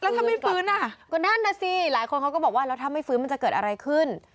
แล้วก็ก็นั่นนะสิหลายคนเขาก็บอกว่าแล้วถ้าไม่ฟื้นมันจะเกิดอะไรขึ้น